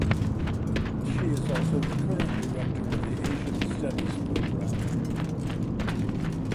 She is also the current director of the Asian Studies program.